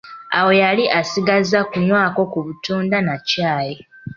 Awo yali asigazza kunywako ku butunda na caayi.